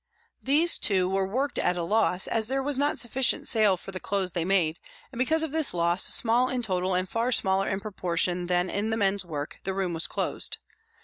These, too, were worked at a loss as there was not sufficient sale for the clothes they made, and because of this loss, small in total and far smaller in proportion than in the men's work, the room was closed.